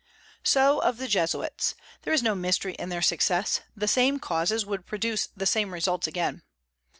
So of the Jesuits, there is no mystery in their success; the same causes would produce the same results again.